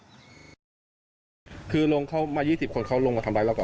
ถ้ามีทั้งมา๒๐คนเข้าได้พวกเข้ามาทำได้แปลก่อน